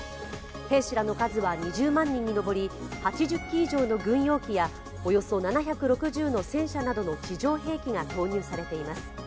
兵士らの数は２０万人に上り、８０機以上の軍用機やおよそ７６０の戦車などの地上兵器が投入されています。